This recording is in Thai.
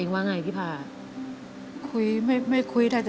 แล้วตอนนี้พี่พากลับไปในสามีออกจากโรงพยาบาลแล้วแล้วตอนนี้จะมาถ่ายรายการ